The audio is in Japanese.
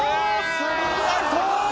スリーアウト！